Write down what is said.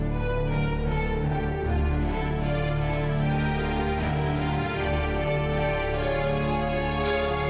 kalau bapak tahu